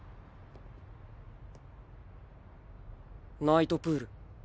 ナイトプール。